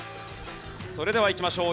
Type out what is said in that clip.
それではいきましょう。